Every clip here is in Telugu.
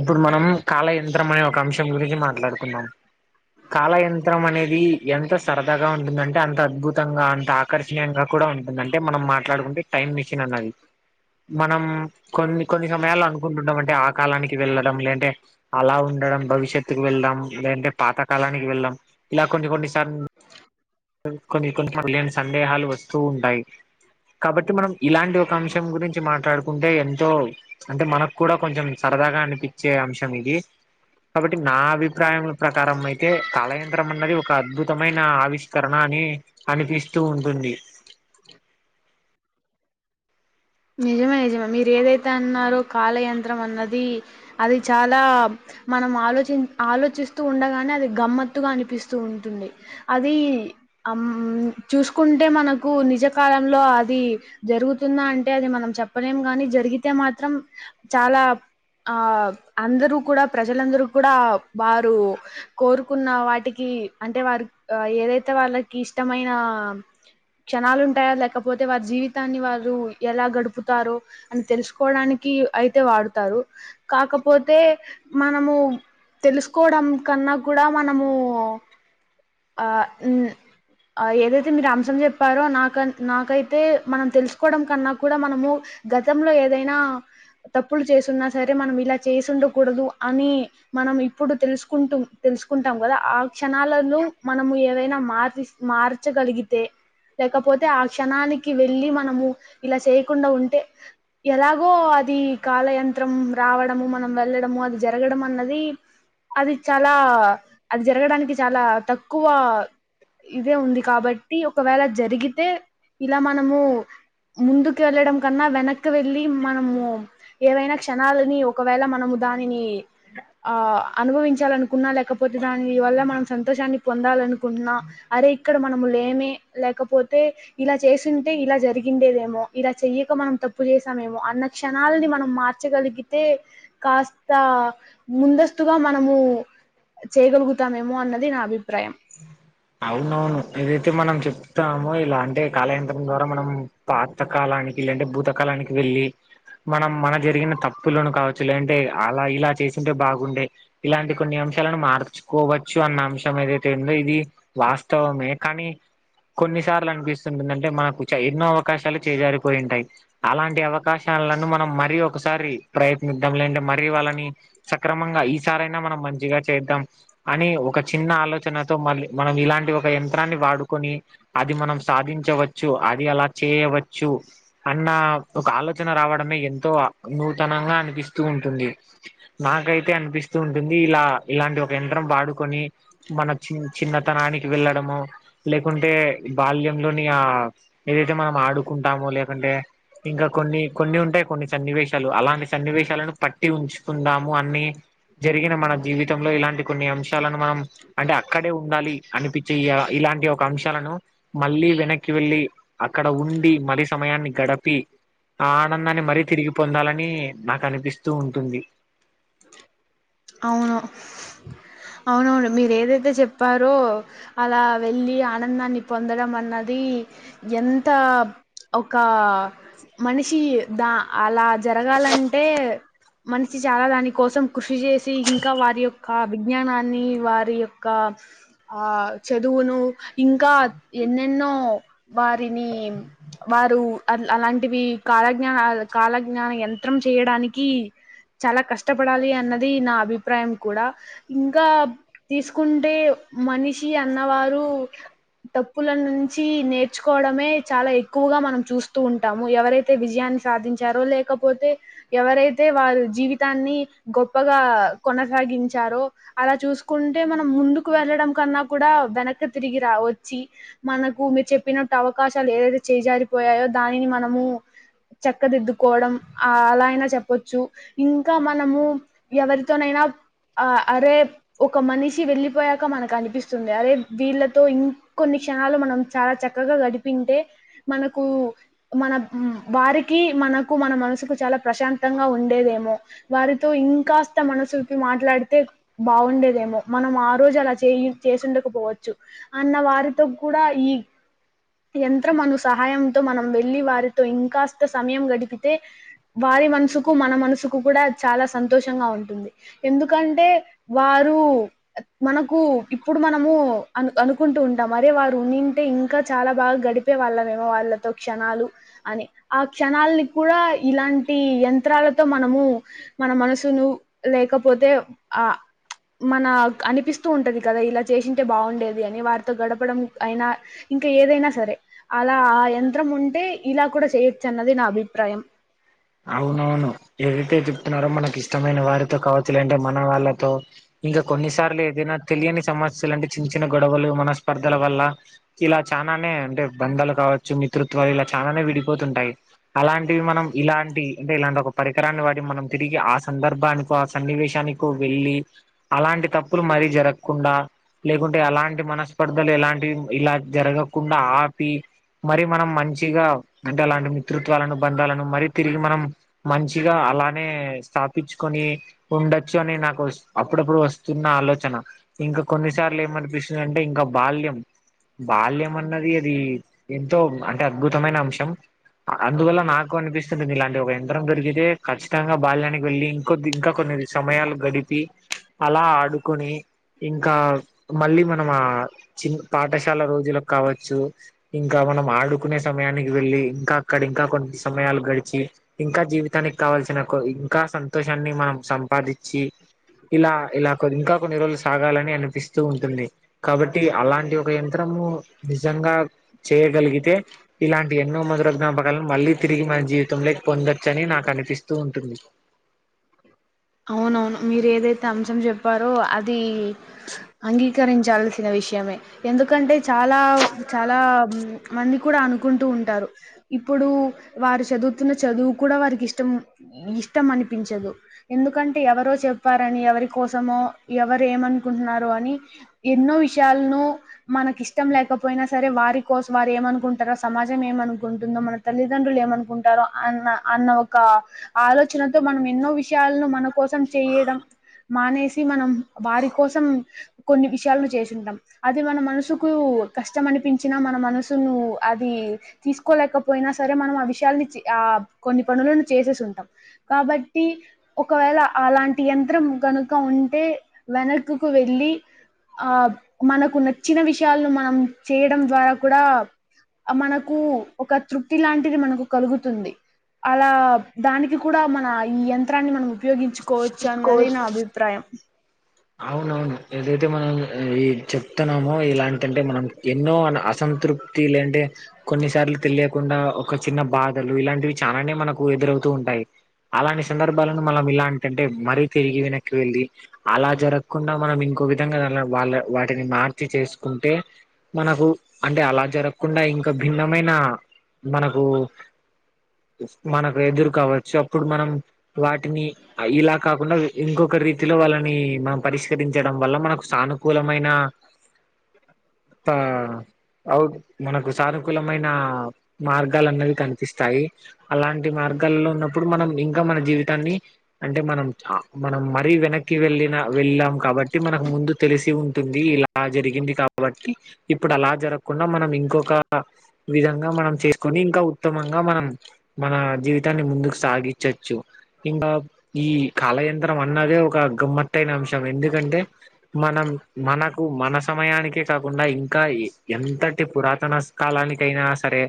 ఇప్పుడు మనం కాలయంత్రం అనే ఒక అంశం గురించి మాట్లాడుకుందాం కాలయంత్రం అనేది ఎంత సరదాగా ఉంటుందంటే అంత అద్భుతంగా అంత ఆ ఆకర్షణీయంగా కూడా ఉంటుంది అంటే మనం మాట్లాడుకుంటే టైం మషిన్ అన్నది మనం కొన్ని కొన్ని సమయాలో అనుకుంటుంటాం అంటే ఆ కాలానికి వెళ్ళడం లేంటే అలా ఉండడం భవిష్యత్తుకు వెళ్దాం లేదంటే పాతకాలానికి వెళ్దాం ఇలా కొన్ని కొన్ని సార్ కొన్ని కొన్నిళ సందేహాలు వస్తూ ఉంటాయి కాబట్టి మనం ఇలాంటి ఒక అంశం గురించి మాట్లాడుకుంటే ఎంతో అంటే మన కూడా కొంచెం సరదాగా అనిపించే అంశం ఇది కాబట్టి నా అభిప్రాయం ప్రకారం అయితే కళయంత్రం అన్నది ఒక అద్భుతమైన ఆవిష్ కరణ అని అనిపిస్తూ ఉంటుంది నిజమే నిజమే మీరు ఏదైతే అన్నారో కాలయంత్రం అన్నది అది చాలా మనం ఆలోచి ఆలోచిస్తూ ఉండగానే అది గమ్మత్తుగా అనిపిస్తూ ఉంటుంది అదీ ఆమ్మ్ చూసుకుంటే మనకు నిజ కాలంలో అది జరుగుతుందా అం అంటే అది మనం చెప్పలేం గానీ జరిగితే మాత్రం చాలా అప్ ఆ అందరూ కూడా ప్రజలందరూ కూడా బారు కోరుకున్న వాటికి అంటే వారిక్ ఆ ఏదైతే వాళ్లకిష్టమైన క్షణాలుంటాయా లేకపోతే వారి జీవితాన్ని వారు ఎలా గడుపుతారో అని తెలుసుకోవడానికి అయితే వాడుతారు కాకపోతే మనము తెలుసుకోడం కన్నా కూడా మనము ఆ ఉమ్మ్ ఆ ఏదైతే మీరు అంశం జేప్పారో నాకన్ నాకైతే మనం తెలుసుకోడం కన్నా కూడా మనము గతంలో ఏదైనా తప్పులు చేసున్నా సరే మనం ఇలా చేసిండకూడదు అని మనం ఇప్పుడు తెలుసుకుంటు తెలుసుకుంటాం గదా ఆ క్షణాలను మనము ఏవైనా మార్స్ మార్చగలిగితే లేకపోతే ఆ క్షణానికి వెళ్ళలి మనము ఇలా చేయకుండా ఉంటే ఎలాగో అది కాలయంత్రం రావడము మనం వెళ్ళడము అది జరగడం అన్నది అది చాలా అది జరగడానికి చాలా తక్కువ ఇదే ఉంది కాబట్టి ఒకవేళ జరిగితే ఇలా మనము ముందుకేళ్ళడం కన్నా వెనక్కి వెళ్లి మనము ఏవైనా క్షణాలనీ ఒకవేళ మనము దానిని ఆ అనుభవించాలనుకున్నా లేకపోతే దాని వల్ల మనం సంతోషాన్ని పొందాలనుకున్నా అరే ఇక్కడ మనము లేమే లేకపోతే ఇలా చేస్తుంటే ఇలా జరిగిండేదేమో ఇలా చెయ్యక మనం తప్పు జేసామేమో అన్న క్షణల్ని మనం మార్చగలిగితే కాస్త ముందస్తుగా మనము చేయగలుగుతామేమో అన్నది నా అభిప్రాయం అవునవును ఏదైతే మనం చెప్తామో ఇలా అంటే కాలయంత్రం ద్వారా మనం పాత కాలానికి లేంటే భూతకాలానికి వెళ్లి మనం మన జరిగిన తప్పులను కావచ్చు లేంటే అలా ఇలా చేసింటే బాగుండే ఇలాంటి కొన్ని అంశాలను మార్చుకోవచ్చు అన్న అంశం [unintelligible] లో ఇది వాస్తవమే కానీ కొన్నిసార్లు అనిపిస్తుంటుందింటే మనకు ఎన్నో అవకాశాలు చేజారిపోయి ఉంటాయ్ అలాంటి అవకాశాలను మనం మరీ ఒకసారి ప్రయత్నిద్దాం లేంటే మరీ వాళ్ళని సక్రమంగా ఈ సారైనా మనం మంచిగా చేద్దాం అని ఒక చిన్న ఆలో [unintelligible] చనతో మళ్ళీ మనం ఇలాంటి ఒక యంత్రాన్ని వాడుకొని అది మనం సాధించవచ్చు అది అలా చేయవచ్చు అన్న ఒక ఆలోచన రావడమే ఎంతో నూతనంగ అనిపిస్తూ ఉంటుంది నాకైతే అనిపిస్తూ ఉంటుంది ఇల ఇలాంటి ఒక యంత్రం వడుకొని మన చి చిన్నతనానికి వెళ్ళడము లేకుంటే బాల్యంలోని ఆ ఏదైతే మనం ఆడుకుంటామో లేకుంటే ఇంకా కొన్ని కొన్ని ఉంటాయి కొన్ని సన్నివేశాలు అలాంటి సన్నివేశాలను పట్టి ఉంచుకుందాము అన్ని జరిగిన మన జీవితంలో ఇలాంటి కొన్ని అంశాలను మనం అంటే అక్కడే ఉండాలి అనిపిచే ఇలాంటి [unintelligible] అంశాలను మళ్ళీ వెనక్కి వెళ్ళి అక్కడ ఉండి మరి సమయాన్ని గడిపి ఆ ఆనందాన్ని మరీ తిరిగి పొందాలని నాకు అనిపిస్తూ ఉంటుంది అవును అవునవును మీరు ఏదైతే చెప్పారో అలా వెలి ఆనందాన్ని పొందడం అన్నది ఎంత ఒక మనిషి దా అలా జరగాలంటే మనిషి చాల దాని కోసం కృషి చేస్ ఇంకా వారి యొక్క విజ్ఞానాన్ని వారి యొక్క ఆ చదువును ఇంక ఎన్నెన్నో వారిని వారు అ అలాంటివి కాలజ్ఞాన కాలజ్ఞాన యంత్రం చేయడానికి చాలా కష్టపడాలి అన్నది నా అభిప్రాయం కూడ ఇంకా తీసుకుంటే మనిషి అన్నవారు తప్పుల నుంచి నేర్చుకోవడమే చాలా ఎక్కువగా మనం చూస్తూ ఉంటాము ఎవరై తే విజయాన్ని సాధించారో లేకపోతే ఎవరైతే వారు జీవితాన్ని గొప్పగ కొనసాగించారో అలా చూసుకుంటే మనం ముందుకు వెళ్ళడం కన్నా కూడా వెనకి తిరిగి రావొచ్చు మనకు మీరు చెప్పినట్టు అవకాశాలు ఏదైతే చేజారిపోయాయో దానిని మనము చెక్కదిద్దుకోవడం అలా అయినా చెప్పచ్చు ఇంకా మనము ఎవరి [unintelligible] అరే ఒక మనిషి వెళ్ళిపోయాక మనకు అనిపిస్తుంది అదే వీళ్ళతో ఇంకొన్ని క్షణాలు మనం చాలా చక్ చక్కగా గడిపింటే మనకు మన వారికి మనకు మన మనసుకు చాలా ప్రశాంతంగా ఉండేదేమో వారితో ఇంక మనసు విప్పి మాట్లాడితే బాగుండేదేమో మనం ఆ రోజు అలా చే చేసిండకపోవచ్చు అన్న వారితో కూడ [unintelligible] యంత్రం అను సహాయంతో మనం వెళ్ళలి వారితో ఇంకాస్త సమయం గడిపితే వారి మనసుకు మన మనసుకు కూడ చాల సంతోషంగా ఉంటుంది ఎందుకంటే వారు మనకు ఇప్పుడు మనము అ అనుకుంటూ ఉంటాం అరే వారు ఉంటే ఇంకా చాలా బాగా గడి [unintelligible] చెప్పే వాళ్ళమేమో వాళ్ళతో క్షణాలు అని ఆ క్షణాలని కూడ ఇలాంటి యంత్రాలతో మనము మన మనసును లేకపోతే ఆ మనకు అనిపిస్తూ ఉంటది కదా ఇలా చేశింటే బాగుండేది అని వారితో గడపడం అయినా ఇంకా ఏదైనా సరే, అలా ఆ యంత్రం ఉంటే ఇలా కూడా చేయొచ్చు అన్నది నా అభిప్రాయం. అవునవును ఏదైతే చెప్తున్నారో మనకి ఇష్టమైన వారితో కావచ్చు లేంటే మన వాళ్ళతో ఇంకా కొన్నిసార్లు ఏదైనా తెలియని సమస్యలు అంటే చిన్న చిన్న గొడవలు మన స్పర్ధల వల్ల ఇలా చానానే అంటే బంధాలు కావచ్చు, మితృత్వాలు ఇలా చానానే విడిపోతుంటాయి. అలాంటివి మనం ఇలాంటి అంటే ఇలాంటి ఒక పరికరాన్ని వాడి మనం తిరిగి ఆ సందర్భానికో, ఆ సన్నివేశానికో వెళ్ళి అలాంటి తప్పులు మరీ జరగకుండా లేకుంటే అలాంటి మనస్పర్ధలు ఎలాంటివి ఇలా జరగకుండా ఆపి మరి మనం మంచిగా అంటే అలాంటి మిత్రుత్వాలను బంధాలను మరి తిరిగి మనం మంచిగా అలానే స్థాపిచ్చుకొని ఉండొచ్చు అని నాకు అప్పుడప్పుడు వస్తున్న ఆలోచన. ఇంకా కొన్నిసార్లు ఏమనిపిస్తుందంటే ఇంకా బాల్యం, బాల్యం అన్నది అది ఎంతో అంటే అద్భుతమైన అంశం. అందువల్ల నాకు అనిపిస్ స్తది, ఇలాంటి ఒక యంత్రం దొరికితే ఖచ్చితంగా బాల్యానికి వెళ్ళి, ఇంకొద్ది ఇంకా కొన్ని సమయాలు గడిపి అలా ఆడుకొని ఇంకా మళ్ళీ మనం ఆ చి పాఠశాల రోజులకు కావచ్చు, ఇంకా మనం ఆడుకునే సమయానికి వెళ్ళి, ఇంకా అక్కడ ఇంకా కొంత సమయాలు గడి చి ఇంకా జీవితానికి కావాల్సిన కొ ఇంకా సంతోషాన్ని మనం సంపాదిచ్చి, ఇలా ఇలా కొన్ని ఇంకా కొన్ని రోజులు సాగాలని అనిపిస్తూ ఉంటుంది. కాబట్టి అలాంటి ఒక యంత్రము నిజంగా చేయగలిగితే ఇలాంటి ఎన్నో మధుర జ్ఞాపకాలను మళ్ళీ తిరిగి మన జీవి తం లొకి పొందొచ్చు అని నాకు అనిపిస్తూ ఉంటుంది. అవునవును మీరు ఏదైతే అంశం చెప్పారో అది అంగీ కరించాల్సిన విషయమే. ఎందుకంటే చాలా చాలా మంది కూడా అనుకుంటూ ఉంటారు. ఇప్పుడు వారు చదువుతున్న చదువు కూడా వారికి ఇష్టం ఇష్టం అనిపించదు. ఎందుకంటే ఎవరో చెప్పారని, ఎవరి కోసమో ఎవరు ఏమనుకుంటున్నారో అని ఎన్నో విషయాల్ను మనకి ఇష్టం లేకపోయినా సరే వారి కోసం, వారు ఏమనుకుంటరో, సమాజం ఏమనుకుంటుందో, మన తల్లిదండ్రులు ఏమనుకుంటారో అన్న అన్న ఒక ఆలోచనతో మనం ఎన్నో విష విషయాలను మన కోసం చేయడం మానేసి, మనం వారి కోసం కొన్ని విషయాలను చేసింటాం. అది మన మనసుకు కష్టం అనిపించినా, మన మనసును అది తీసుకోలేకపోయినా సరే మనం ఆ విషయాలని చి ఆ కొన్ని పనులను చేసేసి ఉంటాం. కాబట్టి ఒకవేళ అలాంటి యంత్రం కనుక ఉంటే వెనకకు వెళ్ళి ఆ మనకు నచ్చిన విషయాలను మనం చేయడం ద్వారా కూడా మనకు ఒక తృప్తి లాంటిది మనకు కలుగుతుంది. అలా దానికి కూడా మన ఈ యం త్రాన్ని మనం ఉపయోగించుకోవచ్చు అన్నది కోర్స్ నా అభిప్రాయం. అవునవును ఏదైతే మనం ఈ చెప్తున్నామో ఇలాంటంటే మనం ఎన్నో అనే అసంతృప్తి లేంటే కొన్నిసార్ల తెలియకుండా ఒక చిన్న బాధలు ఇలాంటివి చాలానే మనకు ఎదురవుతూ ఉంటాయి. అలాంటి సందర్భాలను మనం ఇలాంటంటే మరీ తిరిగి వెనక్కి వెళ్ళి అలా జరగకుండా మనం ఇంకో విధంగా వాళ్ళ వాళ్ళ వాటిని మార్చి చేసుకుంటే మనకు అంటే అలా జరగక్కుండా ఇంకా భిన్నమైన మనకు మనకు ఎదురు కావచ్చు అప్పుడు మనం వాటిని ఇలా కాకుండా ఇంకొక రీతిలో వాళ్ళ నీ మనం పరిష్కరించడం వల్ల మనకు సానుకూలమైన త అవు మనకు సానుకూలమైన మార్గాలు అన్నవి కనిపిస్తాయి. అలాంటి మార్గాల్లో ఉన్నప్పుడు మనం ఇంకా మన జీవితాన్ని అంటే మనం ఆ మనం మరీ వెనక్ క్కి వెళ్ళిన వెళ్ళాం కాబట్టి మనకు ముందు తెలిసి ఉంటుంది ఇలా జరిగింది కాబట్టి ఇప్పుడు అలా జరగక్కుండా మనం ఇంకొక విధంగా మనం చేసుకొని ఇంకా ఉత్తమంగా మనం మన జీవితాన్ని ముందుకు సాగించచ్చు. ఇంకా ఈ కాల యంత్రం అన్నదే ఒక గమ్మత్తైన అంశం ఎందుకంటే మనం మనకు మన సమయానికే కాకుండా ఇంకా ఎ ఎంతటి పురాతన కాలానికైనా సరే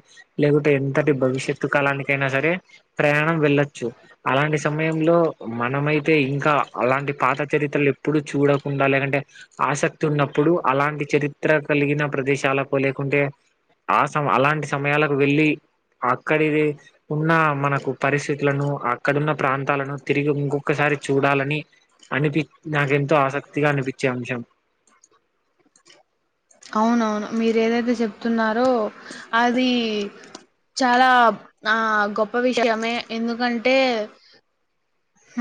లేకుంటె ఎంతటి భవిష్యత్తు కాలానికైనా సరే ప్రయాణం వెళ్లొచ్చు అలాంటి సమయంలో మనమైతే ఇంకా అలాంటి పాత చరిత్రలు ఎప్పుడు చూడకుండా లేదంటే ఆసక్తి ఉన్నప్పుడు అలాంటి చరిత్ర కలిగిన ప్రదేశాలకు లేకుంటే ఆ సం అలాంటి సమయాలకు వెళ్ళి అక్కడిది ఉన్న మనకు పరిస్థితులను అక్కడున్న ప్రాంతాలను తిరిగి ఇంకొక్కసారి చూడాలని అనిపి నాకెంతో ఆసక్తిగా అనిపిచ్చే అంశం అవునవును మీరు ఏదైతే చెప్తున్నారో అది చాలా ఆ గొప్ప విషయమే ఎందుకంటే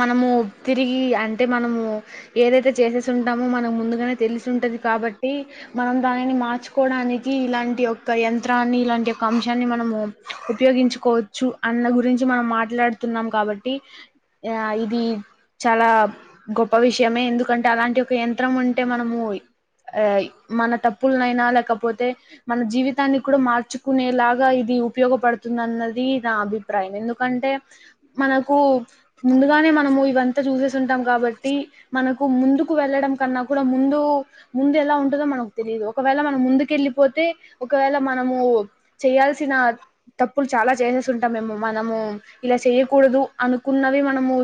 మనము తిరిగి అంటే మనము ఏదైతే చేసేసి ఉంటామో మనం ముందుగానే తెలిసి ఉంటది కాబట్టి మనం దానిని మార్చుకోవడానికి ఇలాంటి యొక్క యంత్రాన్ని ఇలాంటి యొక్క అంశాన్ని మనము ఉపయోగించుకోవచ్చు అన్న గురించి మనం మాట్లాడుతున్నం కాబట్టి ఆ ఇది చాలా గొప్ప విషయమే ఎందుకంటే అలాంటి ఒక యంత్రం ఉంటే మనము ఆ మన తప్పులనైనా లేకపోతే మన జీవితాన్ని కూడ మార్చుకునేలాగా ఇది ఉపయోగపడుతుందన్నది నా అభి ప్రాయం ఎందుకంటే మనకు ముందుగానే మనము ఇవంతా చూసేసుంటం కాబట్టి మనకు ముందుకు వెళ్ళడం కన్నా కూడా ముందు ముందు ఎలా ఉంటదో మనకు తెలియదు, ఒకవేళ మనం ముందుకెళ్ళిపోతే ఒకవేళ మనము చేయాల్సిన తప్పులు చాలా చేంజెస్ ఉంటాం మేము మనము, ఇలా చేయ్యకూడదు అనుకున్నవిన మనము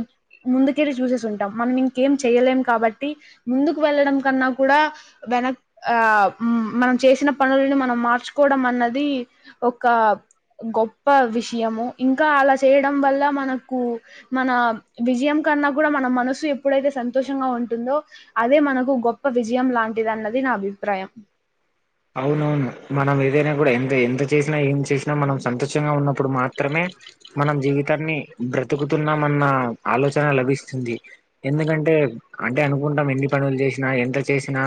ముందుకెళ్ళి చూసేసి ఉంటాం, మనం ఇంకేం చెయలేం కాబట్టి ముందుకు వెళ్ళడం కన్నా కూడా వెనక్ ఆ మనం చేసిన పనుల్ని మనం మార్చుకోవడం అన్నది ఒక గొప్ప విషయము ఇంకా అలా చేయడం వల్ల మనకు మన విజయం కన్నా కూడ మన మనసు ఎప్పుడైతే సంతోషంగా ఉంటుందో అదే మనకు గొప్ప విజయం లాంటిది అన్నది నా అభిప్రాయం. అవునవును మనం ఏదైనా కూడ ఎంత ఎంత చేసినా, ఏం చేసినా, మనం సంతోషంగా ఉన్న ఇప్పుడు మాత్రమే మనం జీవితాన్ని బ్రతుకుతున్నామన్న ఆలోచన లభిస్తుంది. ఎందుకంటే అంటే అనుకుంటాం ఎన్ని పనులు చేసినా ఎంత చేసినా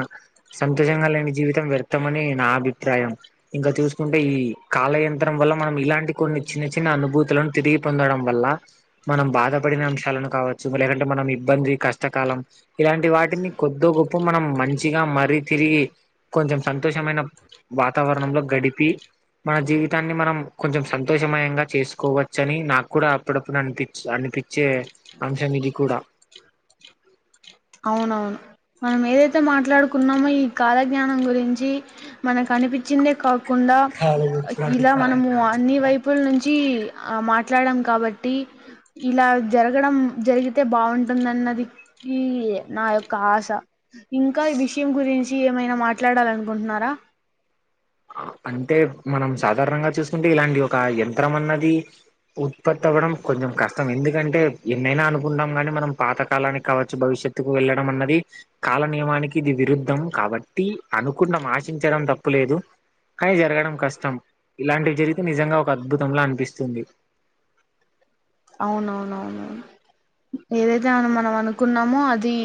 సంతోషంగా లేని జీవితం వ్యర్థమని నా అభిప్రాయం ఇంక చూసుకుంటే ఈ కాలయంత్రం వల్ల మనం ఇలాంటి కొన్ని చిన్న చిన్న అనుభూతులను తిరిగి పొందడం వల్ల మనం బాధపడిన అంశాలను కావచ్చు లేదంటే మనం ఇబ్బంది కష్టకాలం ఇలాంటి వాటిని కొద్దో గొప్పో మనం మంచిగా మరీ తిరిగి కొంచెం సంతోషమైన వాతావరణంలో గడిపి మన జీవితాన్ని మనం కొంచెం సంతోషమయంగా చేసుకోవచ్చ అని నాకు కూడా అప్పుడప్పుడు అనిపి అనిపించే అంశం ఇది కూడా అవునవును మనం ఏదైతే మాట్లాడుకున్నామో ఈ కాలజ్ఞానం గురించి మనకు అనిపించిందే క కుండా ఇలా మనము అన్ని వైపు ల నుంచి మాట్లాడాం కాబట్టి ఇలా జరగడం జరిగితే బాగుంటుందన్నది ఈ నా యొక్క ఆశ ఇంకా ఈ విషయం గురించి ఏమైనా మాట్లాడాల అనుకుంటున్నారా అంటే మనం సాధారణంగా చూసుకుంటే ఇలాంటి ఒక యంత్రం అన్నది ఉత్పత్తి అవ్వడం కొంచెం కష్టం ఎందుకంటే ఎన్నైనా అనుకుంటాం కాని మనం పాతకాలానికి కావచ్చు భవిష్య త్తుకు వెళ్ళడం అన్నది కాల నియమానికి ఇది విరుద్ధ దం కాబట్టి అనుకునం ఆశించడం తప్పులేదు కానీ జరగడం కష్టం ఇలాంటివి జరిగితే నిజంగా ఒక అద్భుతంలా అనిపిస్తుంది అవునవునవును ఏదైతే మన మనం అనుకున్నామో అది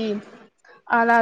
అలా